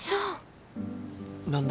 何で？